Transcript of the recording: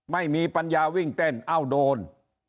ไม่มีปัญญาวิ่งเต้นเอ้าโดน